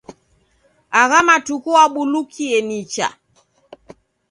Agha matuku wabulukie nicha.